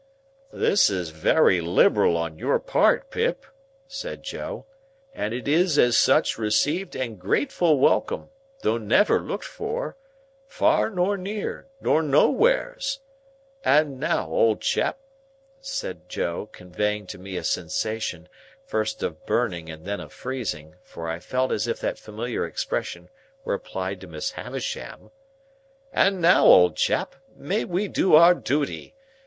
"This is wery liberal on your part, Pip," said Joe, "and it is as such received and grateful welcome, though never looked for, far nor near, nor nowheres. And now, old chap," said Joe, conveying to me a sensation, first of burning and then of freezing, for I felt as if that familiar expression were applied to Miss Havisham,—"and now, old chap, may we do our duty!